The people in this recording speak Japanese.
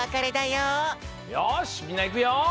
よしみんないくよ！